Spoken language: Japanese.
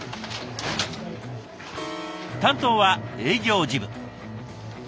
担当は営業事務。